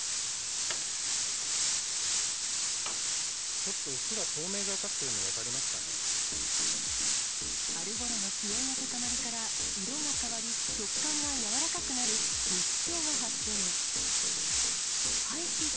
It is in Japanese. ちょっとうっすら透明がかっ春ごろの気温の高まりから、色が変わり、食感が柔らかくなる、みつ症が発生。